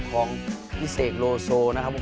ของพี่เสกโลโซนะครับผม